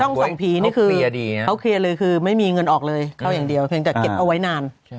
ส่องผีนี่คือเขาเคลียร์เลยคือไม่มีเงินออกเลยเข้าอย่างเดียวเพียงแต่เก็บเอาไว้นาน